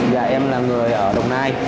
dạ em là người ở đồng nai